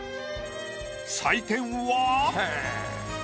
採点は。